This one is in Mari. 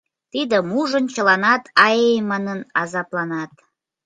Тидым ужын, чыланат «ай!» манын азапланат.